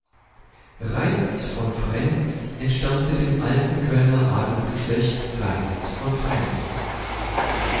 Raitz von Frentz entstammte dem alten Kölner Adelsgeschlecht Raitz von Frentz.